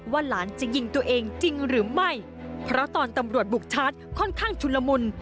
หลานจะยิงตัวเองจริงหรือไม่เพราะตอนตำรวจบุกชาร์จค่อนข้างชุนละมุน